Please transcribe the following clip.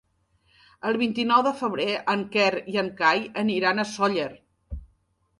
El vint-i-nou de febrer en Quer i en Cai aniran a Sóller.